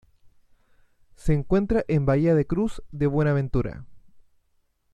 Se encuentra en Bahía de Cruz de Buenaventura.